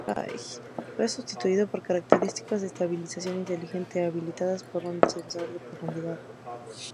Fue sustituido por características de "estabilización inteligente" habilitadas por el sensor de profundidad.